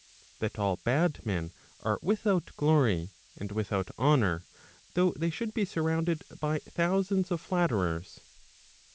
That all bad men are without glory, and without honour, though they should be surrounded by thousands of flatterers.